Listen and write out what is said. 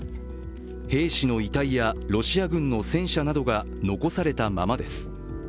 兵士の遺体やロシア軍の戦車などが残されたままです。